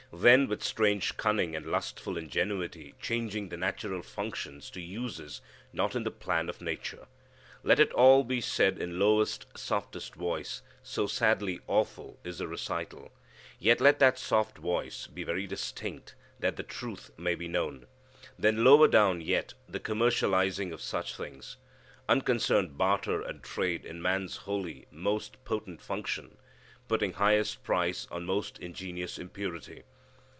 Then with strange cunning and lustful ingenuity changing the natural functions to uses not in the plan of nature. Let it all be said in lowest, softest voice, so sadly awful is the recital. Yet let that soft voice be very distinct, that the truth may be known. Then lower down yet the commercializing of such things. Unconcerned barter and trade in man's holy, most potent function. Putting highest price on most ingenious impurity.